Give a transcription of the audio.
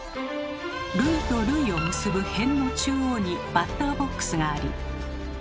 塁と塁を結ぶ辺の中央にバッターボックスがあり。